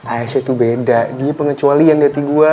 aisha tuh beda dia pengecualian dari gue